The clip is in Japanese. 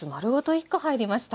１コ入りました。